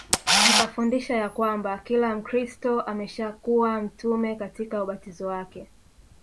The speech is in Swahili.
Akafundisha ya kwamba kila Mkristo ameshakuwa mtume katika ubatizo wake